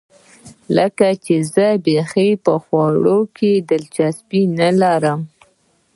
لکه زه چې بیخي په خوړو کې دلچسپي نه لرم.